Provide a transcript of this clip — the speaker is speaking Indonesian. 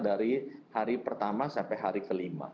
dari hari pertama sampai hari kelima